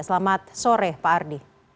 selamat sore pak ardi